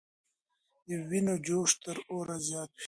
د وینو جوش تر اور زیات و.